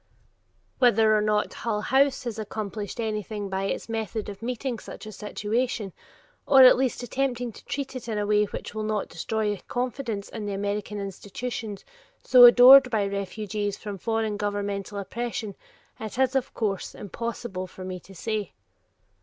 Whether or not Hull House has accomplished anything by its method of meeting such a situation, or at least attempting to treat it in a way which will not destroy confidence in the American institutions so adored by refugees from foreign governmental oppression, it is of course impossible for me to say.